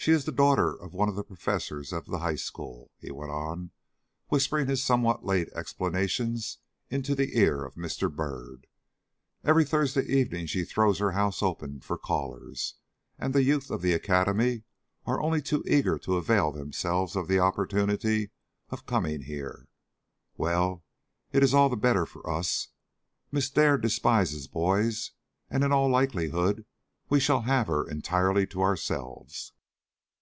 She is the daughter of one of the professors of the High School," he went on, whispering his somewhat late explanations into the ear of Mr. Byrd. "Every Thursday evening she throws her house open for callers, and the youth of the academy are only too eager to avail themselves of the opportunity of coming here. Well, it is all the better for us. Miss Dare despises boys, and in all likelihood we shall have her entirely to ourselves."